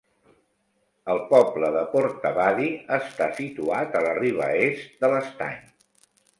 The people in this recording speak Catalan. El poble de Portavadie està situat a la riba est de l'estany.